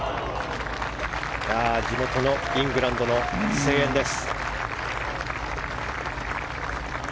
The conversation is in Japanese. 地元のイングランドの声援です。